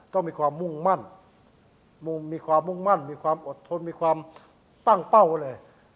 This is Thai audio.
ต้องมีความมุ่งมั่นมีความมุ่งมั่นมีความอดทนมีความตั้งเป้าไว้เลย